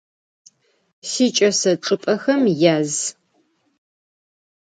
Siç'ese çç'ıp'exem yaz.